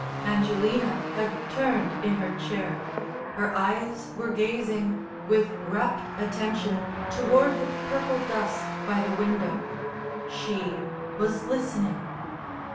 Angelina had turned in her chair; her eyes were gazing, with rapt attention, toward the purple dusk by the window. She was listening.